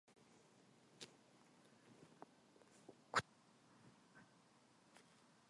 옥점이가 졸업하고 내려오니 선비가 할멈 방으로 쫓겨나게 되었다.